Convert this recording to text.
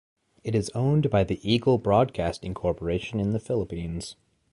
It is owned by the Eagle Broadcasting Corporation in the Philippines.